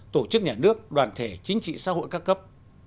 tổ chức nhà nước đoàn thể chính trị xã hội các cấp